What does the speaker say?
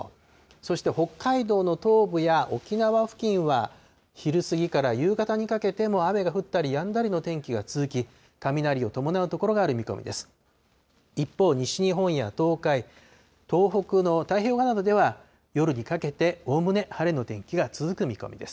そして北海道の東部や沖縄付近は、昼過ぎから夕方にかけても雨が降ったりやんだりの天気が続き、雷を伴う所がある見込みです。